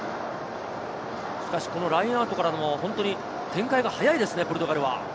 しかしラインアウトから本当に展開が速いですね、ポルトガルは。